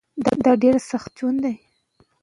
که لابراتوار واي، راتلونکې تېروتنه نه کېده.